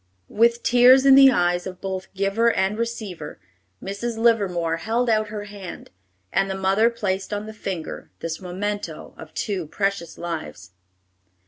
'" With tears in the eyes of both giver and receiver, Mrs. Livermore held out her hand, and the mother placed on the finger this memento of two precious lives.